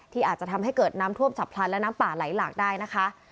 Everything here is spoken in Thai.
อาจจะทำให้เกิดน้ำท่วมฉับพลันและน้ำป่าไหลหลากได้นะคะ